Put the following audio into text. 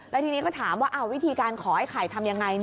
แล้วทีนี้ก็ถามว่าวิธีการขอให้ไข่ทำยังไง